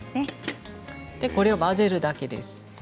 これを混ぜるだけです。